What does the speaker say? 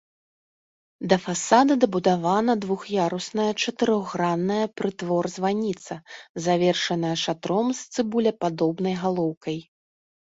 Да фасада дабудавана двух'ярусная чатырохгранная прытвор-званіца, завершаная шатром з цыбулепадобнай галоўкай.